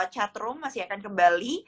chatroom masih akan kembali